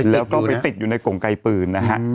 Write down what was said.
แล้วก็ไปติดอยู่ในกงไกลปืนนะฮะ